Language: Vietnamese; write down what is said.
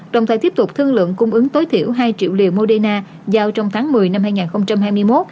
đồng thời tiếp tục thương lượng cung ứng tối thiểu hai triệu liều moderna giao trong tháng một mươi năm hai nghìn hai mươi một